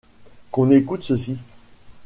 Qu’on écoute ceci.